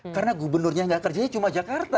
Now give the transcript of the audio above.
karena gubernurnya nggak kerjanya cuma jakarta